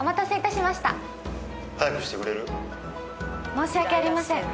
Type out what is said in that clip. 申し訳ありません。